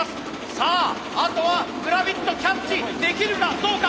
さああとはグラビットキャッチできるかどうか！